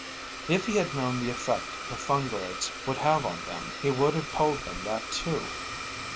If he had known the effect the fungoids would have on them, he would have told them that too.